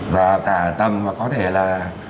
và cả ở tầm có thể là